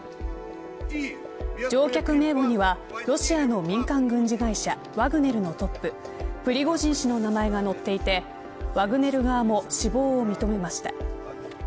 乗客名簿にはロシアの民間軍事会社ワグネルのトッププリゴジン氏の名前が載っていてワグネル側も死亡を認めました。